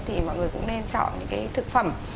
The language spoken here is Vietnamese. thì mọi người cũng nên chọn những cái thực phẩm